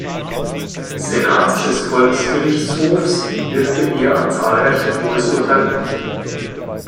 Senats des Volksgerichtshofs wirkte er an zahlreichen Todesurteilen mit.